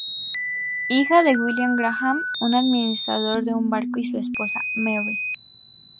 Hija de William Graham, un administrador de un barco y su esposa, Mary.